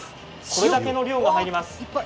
これだけの量が入ります。